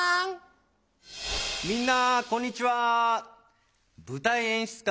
みんなこんにちは。